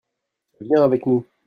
viens avec nous.